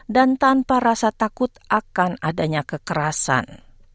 dan tanpa rasa takut akan adanya kekerasan